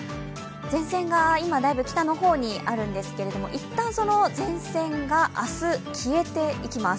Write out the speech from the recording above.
前線が今北の方にあるんですけど一旦前線が明日、消えていきます。